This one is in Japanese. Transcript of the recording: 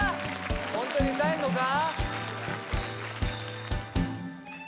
ホントに歌えるのか？